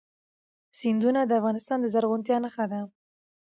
سیندونه د افغانستان د زرغونتیا نښه ده.